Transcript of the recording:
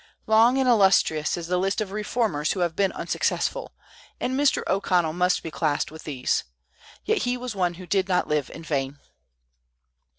Long and illustrious is the list of reformers who have been unsuccessful; and Mr. O'Connell must be classed with these. Yet was he one who did not live in vain.